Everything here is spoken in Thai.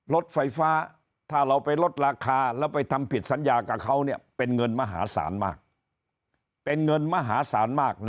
ลดไฟฟ้าถ้าเราไปลดราคาแล้วไปทำผิดสัญญากับเขาเนี่ยเป็นเงินมหาศาลมาก